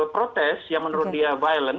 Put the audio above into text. protes yang menurut dia violent